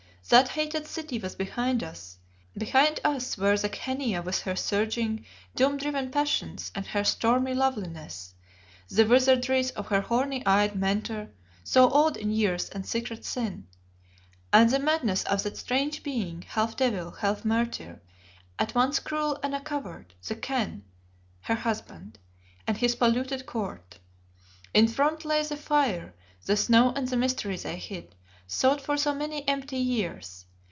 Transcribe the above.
That hated city was behind us. Behind us were the Khania with her surging, doom driven passions and her stormy loveliness, the wizardries of her horny eyed mentor, so old in years and secret sin, and the madness of that strange being, half devil, half martyr, at once cruel and a coward the Khan, her husband, and his polluted court. In front lay the fire, the snow and the mystery they hid, sought for so many empty years.